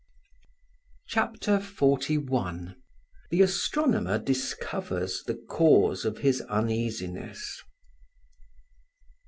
CHAPTER XLI THE ASTRONOMER DISCOVERS THE CAUSE OF HIS UNEASINESS.